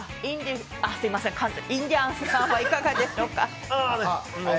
インディアンスさんはいかがでしょうか。